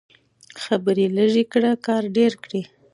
خبرې لږې کړئ کار ډېر کړئ.